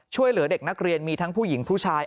ช่วยเหลือเด็กนักเรียนมีทั้งผู้หญิงผู้ชาย